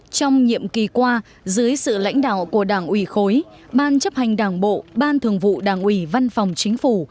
trong nhiệm kỳ qua dưới sự lãnh đạo của đảng ủy khối ban chấp hành đảng bộ ban thường vụ đảng ủy văn phòng chính phủ